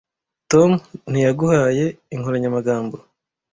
Tom ntiyaguhaye inkoranyamagambo?